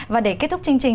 và để kết thúc chương trình